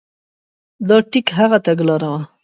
دا ټیک هغه تګلاره وه.